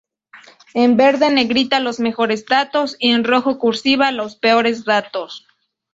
En verde negrita los mejores datos y en "rojo cursiva" los peores datos.